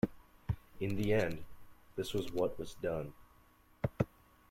In the end, this was what was done.